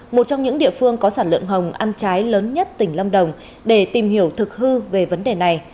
một trong những địa phương có sản lượng hồng ăn trái lớn nhất tỉnh lâm đồng để tìm hiểu thực hư về vấn đề này